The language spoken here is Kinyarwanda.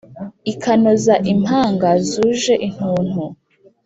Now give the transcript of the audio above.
ikanoza imanga zuje intuntu.